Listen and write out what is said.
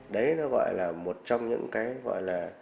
đấy nó gọi là một trong những cái gọi là